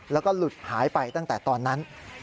แล้วก็หลุดหายไปตั้งแต่ตอนนั้น